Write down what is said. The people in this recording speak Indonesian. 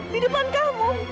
di depan kamu